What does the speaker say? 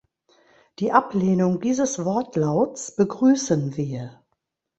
Die Ablehnung dieses Wortlauts begrüßen wir.